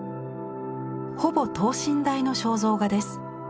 ほぼ等身大の肖像画です。